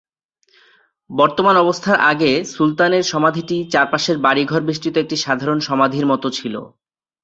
বর্তমান অবস্থার আগে সুলতানের সমাধিটি চারপাশে বাড়ি ঘর বেষ্টিত একটি সাধারণ সমাধির মত ছিল।